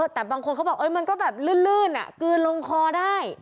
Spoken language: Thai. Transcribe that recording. แต่บางคนเขาบอกมันก็แบบลื่นกลืนลงคอได้